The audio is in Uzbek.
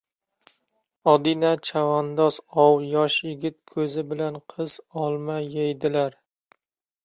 — Odina chavandoz-ov, yosh yigit ko‘zi bilan qiz olma, deydilar.